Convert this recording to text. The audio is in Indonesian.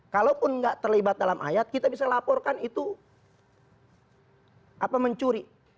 kalaupun tidak terlibat dalam ayat kita bisa laporkan itu mencuri